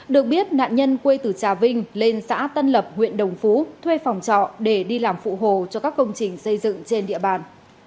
được biết nạn nhân quê từ trà vinh lên xã tân lập huyện đồng phú thuê phòng trọ để đi làm phụ hồ cho các công trình xây dựng trên địa bàn